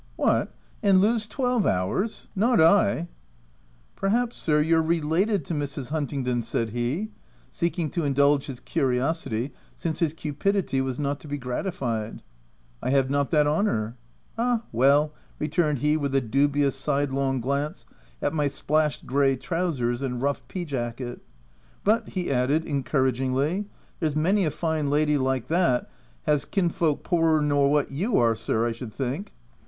" What, and lose twelve hours ? not I." u Perhaps, sir, you're related to Mrs. Hunt ingdon ?" said he, seeking to indulge his curi osity since his cupidity was not to be gratified. " T have not that honour." ;" Ah ! well," returned he with a dubious, sidelong glance at my splashed, grey trousers and rough P jacket. f € But," he added, en couragingly, ^there's many a fine lady like that 'at has kinsfolks poorer nor what you are, sir, I should think."